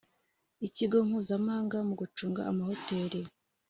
Ikigo mpuzamahanga mu gucunga amahoteli